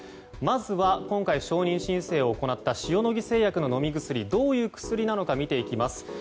まずは、今回承認申請を行った塩野義製薬の飲み薬どういう薬なのか見ていきます。